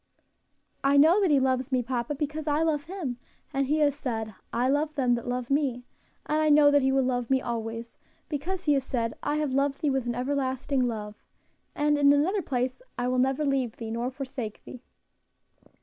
"I know that He loves me, papa, because I love Him, and He has said, 'I love them that love me;' and I know that He will love me always, because He has said, 'I have loved thee with an everlasting love,' and in another place, 'I will never leave thee, nor forsake thee.'"